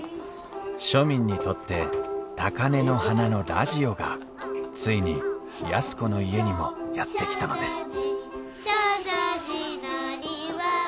庶民にとって高根の花のラジオがついに安子の家にもやって来たのです「証城寺の庭は」